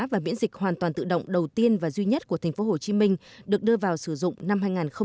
và miễn dịch hoàn toàn tự động đầu tiên và duy nhất của tp hcm được đưa vào sử dụng năm hai nghìn một mươi